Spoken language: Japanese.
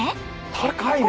高いね！